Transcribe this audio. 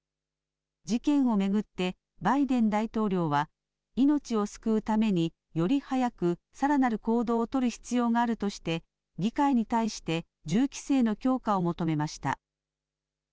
事件を巡って、バイデン大統領は、命を救うために、より早く、さらなる行動を取る必要があるとして、議会に対して銃規制の強化を求めました。